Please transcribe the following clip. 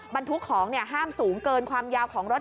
บรรทุกของห้ามสูงเกินความยาวของรถ